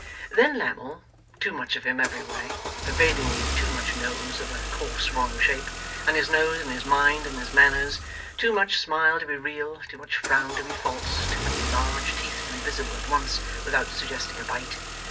Then Lammle. Too much of him every way; pervadingly too much nose of a coarse wrong shape, and his nose in his mind and his manners; too much smile to be real; too much frown to be false; too many large teeth to be visible at once without suggesting a bite.